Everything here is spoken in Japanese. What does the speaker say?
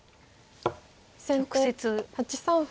先手８三歩。